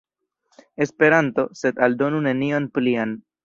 Esperanto, sed aldonu nenion plian.